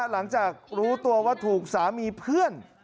หลังจากรู้ตัวว่าถูกสามีเพื่อน